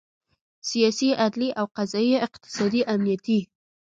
سیاسي، عدلي او قضایي، اقتصادي، امنیتي